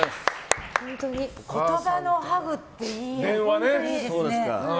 言葉のハグっていいですね。